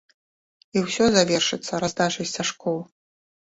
І ўсё завершыцца раздачай сцяжкоў.